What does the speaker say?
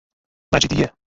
مجیدیه